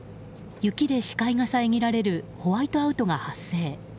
雪で視界が遮られるホワイトアウトが発生。